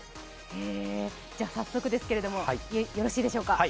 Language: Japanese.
早速ですけれどもよろしいでしょうか。